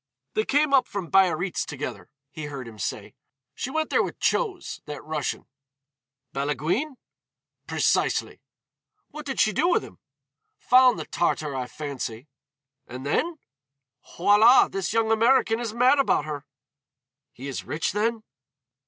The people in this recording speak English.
"They came up from Biarritz together," he heard him say. "She went there with Chose, that Russian." "Balaguine?" "Precisely." "What did she do with him?" "Found the Tartar, I fancy." "And then?" "Voilà, this young American is mad about her." "He is rich then?"